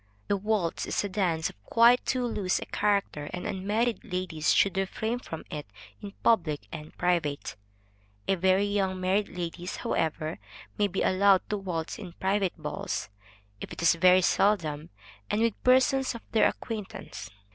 The waltz is a dance of quite too loose a character, and unmarried ladies should refrain from it in public and private; very young married ladies, however, may be allowed to waltz in private balls, if it is very seldom, and with persons of their acquaintance.